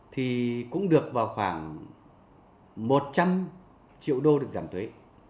thì cũng được vào khoảng một trăm linh triệu đô được giảm thuế